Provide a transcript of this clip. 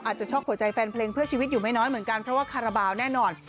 ช็อกหัวใจแฟนเพลงเพื่อชีวิตอยู่ไม่น้อยเหมือนกันเพราะว่าคาราบาลแน่นอน